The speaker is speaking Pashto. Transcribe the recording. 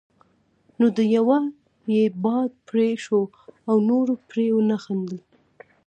نو د يوه یې باد پرې شو او نورو پرې ونه خندل.